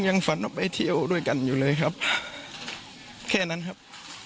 ฝันออกไปเที่ยวด้วยกันอยู่เลยครับแค่นั้นครับ